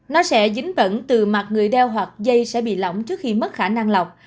nó sẽ dính bẩn từ mặt người đeo hoặc dây sẽ bị lỏng trước khi mất khả năng lọc